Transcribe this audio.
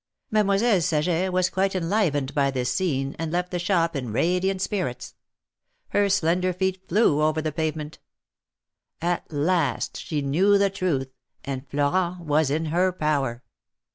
" Mademoiselle Saget was quite enlivened by this scene, and left the shop in radiant spirits. Her slender feet flew THE MARKETS OF PARIS. 237 over the pavement. At last she knew the truth, and Florent was in her power.